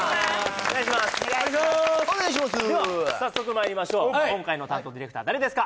お願いしますでは早速まいりましょう今回の担当ディレクター誰ですか？